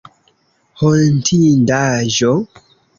Hontindaĵo?